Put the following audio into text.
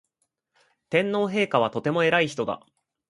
天皇陛下はとても偉い人だ